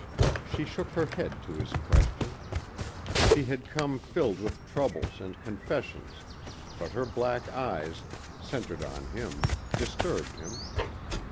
She shook her head to his question. He had come filled with troubles and confessions but her black eyes, centered on him, disturbed him.